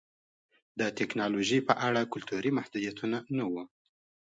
د ټکنالوژۍ په اړه کلتوري محدودیتونه نه وو